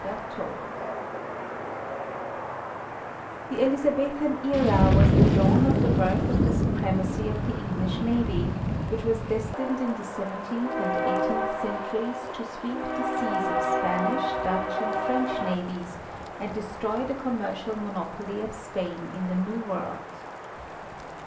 BERTHOUD The Elizabethan era was the dawn of the birth of the supremacy of the English navy, which was destined in the seventeenth and eighteenth centuries to sweep the seas of Spanish, Dutch and French navies and destroy the commercial monopoly of Spain in the new world.